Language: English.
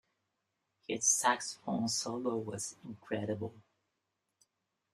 His saxophone solo was incredible.